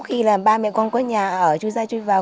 vũ khí là ba mẹ con có nhà ở chui ra chui vào